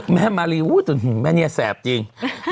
แม่มารีเบิร์นเนอร์แม่เนี่ยแสบจริง